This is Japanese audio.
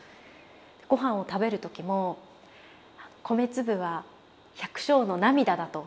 ご飯を食べる時も米粒は百姓の涙だと。